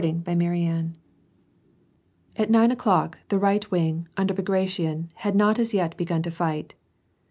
"— CHAPTER XVII. At nine o'clock, the right wing, under Bagration, had not as yet begun to fight.